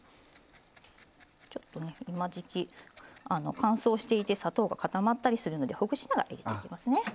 ちょっとね今時季乾燥していて砂糖が固まったりするのでほぐしながら入れていきますね。